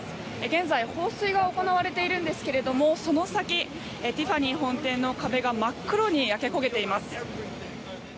現在、放水が行われているんですけれどもその先、ティファニー本店の壁が真っ黒に焼け焦げています。